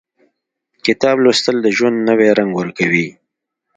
• کتاب لوستل، د ژوند نوی رنګ ورکوي.